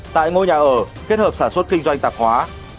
tại ngôi nhà ở kết hợp sản xuất kinh doanh tạp hóa